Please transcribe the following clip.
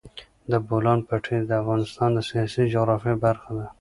د بولان پټي د افغانستان د سیاسي جغرافیه برخه ده.